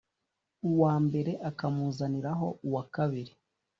uwa mbere akamuzaniraho uwa kabiri